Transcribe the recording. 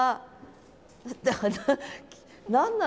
何なの？